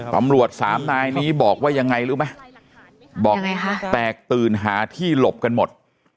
ตำรวจสามนายนี้บอกว่ายังไงรู้ไหมบอกแตกตื่นหาที่หลบกันหมด